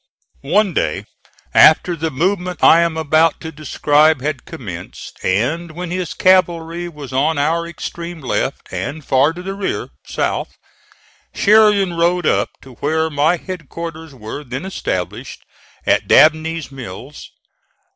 One day, after the movement I am about to describe had commenced, and when his cavalry was on our extreme left and far to the rear, south, Sheridan rode up to where my headquarters were then established, at Dabney's Mills.